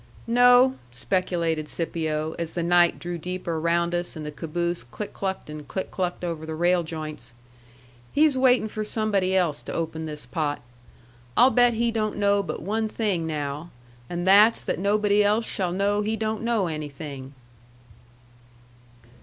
"No," speculated Scipio, as the night drew deeper round us and the caboose click clucked and click clucked over the rail joints; "he's waitin' for somebody else to open this pot. I'll bet he don't know but one thing now, and that's that nobody else shall know he don't know anything."